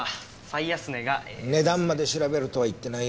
値段まで調べろとは言ってないよ。